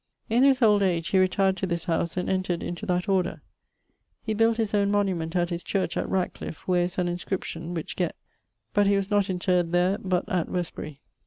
In his old age he retired to this house and entred into that order. He built his owne monument at his church at Ratcliff where is an inscription, which gett[BR]; ☞ but he was not interred there but at Westbury.